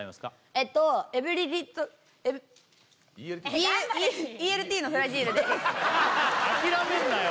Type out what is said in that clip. えっと諦めんなよ